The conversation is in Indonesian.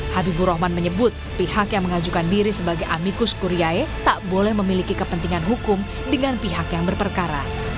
habibur rahman menyebut pihak yang mengajukan diri sebagai amikus kuriae tak boleh memiliki kepentingan hukum dengan pihak yang berperkara